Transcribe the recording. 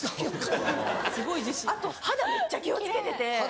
あと肌めっちゃ気を付けてて。